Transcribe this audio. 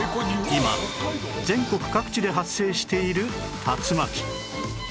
今全国各地で発生している竜巻